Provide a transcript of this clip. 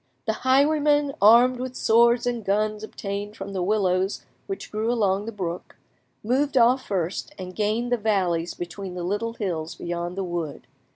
The highwaymen, armed with swords and guns obtained from the willows which grew along the brook, moved off first, and gained the valleys between the little hills beyond the wood.